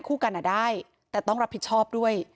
คู่กันได้แต่ต้องรับผิดชอบด้วย